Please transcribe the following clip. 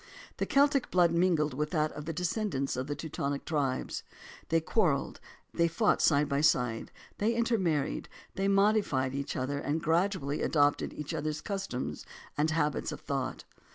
The Celtic blood mingled with that of the descendants of the Teutonic tribes. They quarrelled, they fought side by side, they intermarried; they modified each other and gradually adopted each other's customs and habits of thought.